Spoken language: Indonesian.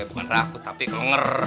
bukan rakus tapi kenger